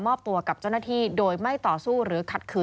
ตัวกับเจ้าหน้าที่โดยไม่ต่อสู้หรือขัดขืน